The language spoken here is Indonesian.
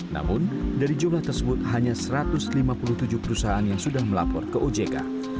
namun dari jumlah tersebut hanya satu ratus lima puluh tujuh perusahaan yang sudah melapor ke ojk